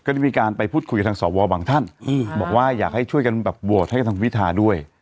ได้มาพูดคุยกันกับสอบวอบบางท่านแบบวว่าอยากให้ช่วยกันกับววล์ชให้กันกับวิทร์ด้วย